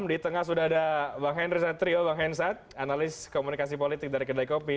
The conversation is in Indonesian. di tengah sudah ada bang henry satrio bang hensat analis komunikasi politik dari kedai kopi